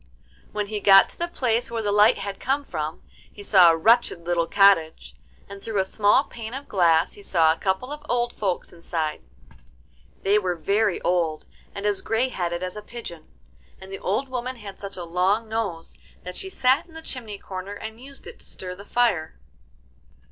When he got to the place where the light had come from, he saw a wretched little cottage, and through a small pane of glass he saw a couple of old folks inside. They were very old, and as grey headed as a pigeon, and the old woman had such a long nose that she sat in the chimney corner and used it to stir the fire.